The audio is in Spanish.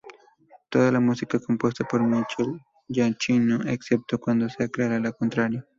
Toda la música compuesta por Michael Giacchino, excepto cuando se aclara lo contrario.